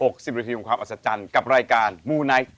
๖๐นาทีของความอัศจรรย์กับรายการมูไนท์